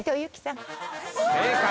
正解。